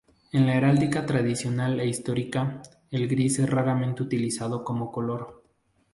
En la heráldica tradicional e histórica, el gris es raramente utilizado como color.